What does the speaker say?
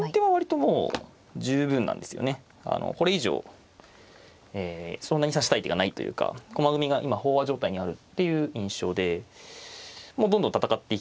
これ以上そんなに指したい手がないというか駒組みが今飽和状態にあるっていう印象でもうどんどん戦っていきたいんですけど。